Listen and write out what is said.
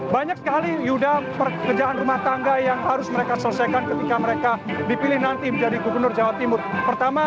banyak sekali yuda pekerjaan rumah tangga yang harus mereka selesaikan ketika mereka dipilih nanti menjadi gubernur jawa timur